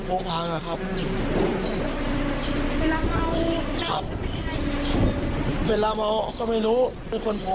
ผมบ้างใจ